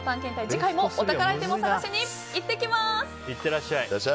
次回もお宝アイテムを探しに行ってきます！